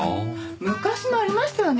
昔もありましたよね。